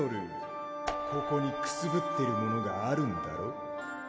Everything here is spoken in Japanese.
ここにくすぶってるものがあるんだろう？